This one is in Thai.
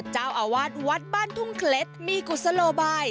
เจ้าอาวาสวัดบ้านทุ่งเคล็ดมีกุศโลบาย